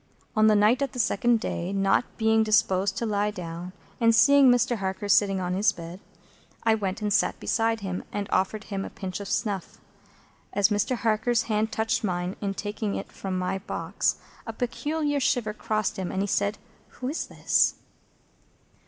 On the night of the second day, not being disposed to lie down, and seeing Mr. Harker sitting on his bed, I went and sat beside him, and offered him a pinch of snuff. As Mr. Harker's hand touched mine in taking it from my box, a peculiar shiver crossed him, and he said, "Who is this?"